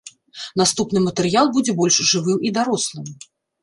Наступны матэрыял будзе больш жывым і дарослым.